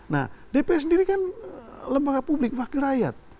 nah dpr sendiri kan lembaga publik wakil rakyat